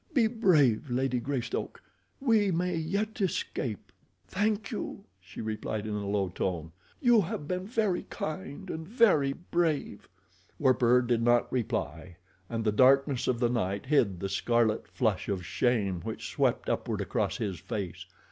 Be brave, Lady Greystoke—we may yet escape." "Thank you," she replied in a low tone. "You have been very kind, and very brave." Werper did not reply, and the darkness of the night hid the scarlet flush of shame which swept upward across his face.